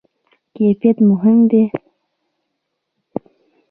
کیفیت مهم دی